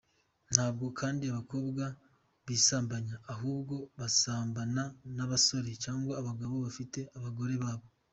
Ntabwo kandi abakobwa bisambanya ahubwo basambana n’abasore cyangwa abagabo bafite abagore babo.